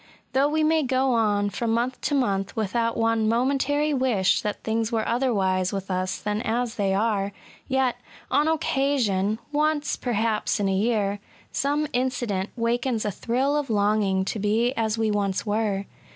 Though we may go on from month to month without one momentary wish that things were otherwise with us than as they are, yet, on occasion — once, perhaps, in a year — some incident 180 ESSAYS. wakens a dirill of longing to be as we once were.